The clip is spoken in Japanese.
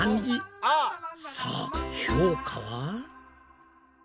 さあ評価は？